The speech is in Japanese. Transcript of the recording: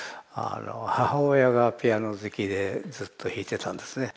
母親がピアノ好きでずっと弾いてたんですね。